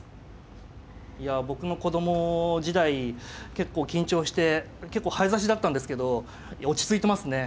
いや僕の子供時代結構緊張して結構早指しだったんですけど落ち着いてますね。